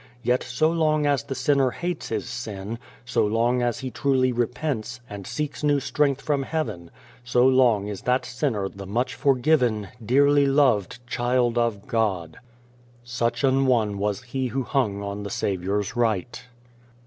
Yet so long as the sinner hates his sin, so long as he truly repents, and seeks new strength from Heaven, so long is that sinner the much forgiven, dearly loved child of God. Such an one was he who hung on the Saviour's right.